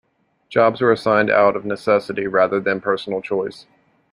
Jobs were assigned out of necessity rather than personal choice.